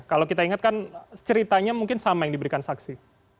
kalau kita ingatkan ceritanya mungkin sama yang diberikan saksi